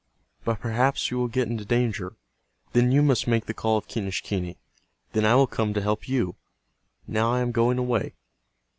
But perhaps you will get into danger. Then you must make the call of Quenisehquney. Then I will come to help you. Now I am going away."